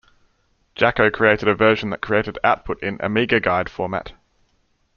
Jacco created a version that created output in Amigaguide format.